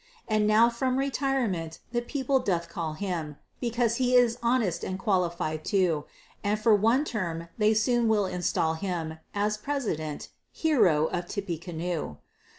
And now from retirement the People doth call him, Because he is Honest and Qualified too; And for One Term they soon will install him As President "Hero of Tippecanoe."